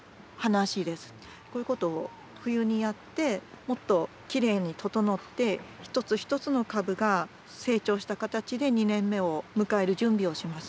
こういうことを冬にやってもっときれいに整って一つ一つの株が成長した形で２年目を迎える準備をします。